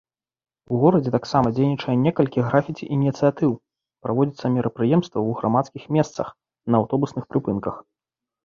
У горадзе таксама дзейнічае некалькі графіці-ініцыятыў, праводзяцца мерапрыемствы ў грамадскіх месцах, на аўтобусных прыпынках.